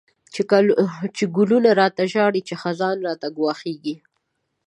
چی گلونه را ته ژاړی، چی خزان راته گواښیږی